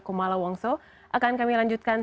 kumala wongso akan kami lanjutkan